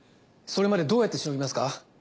それまでどうやってしのぎますか？